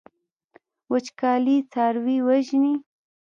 وچکالي څاروي وژني.